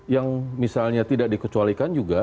yang misalnya tidak dikecualikan juga